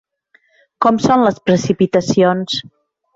Com són les precipitacions?